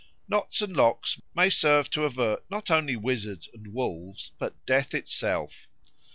Knots and locks may serve to avert not only wizards and wolves but death itself.